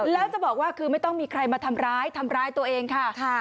แล้วจะบอกว่าคือไม่ต้องมีใครมาทำร้ายทำร้ายตัวเองค่ะ